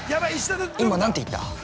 今何て言った？